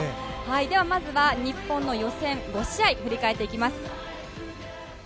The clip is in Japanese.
では日本の予選５試合を振り返っていきます。